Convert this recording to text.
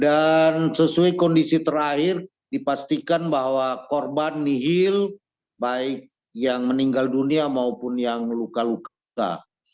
dan sesuai kondisi terakhir dipastikan bahwa korban nihil baik yang meninggal dunia maupun yang luka luka